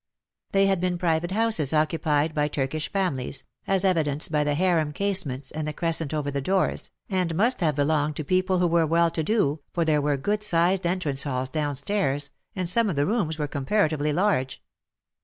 They had been private houses occupied by Turkish families, as evidenced by the harem casements and the crescent over the doors, and must have belonged to people who were well to do, for there were good sized entrance halls downstairs, and some of the rooms were com paratively large.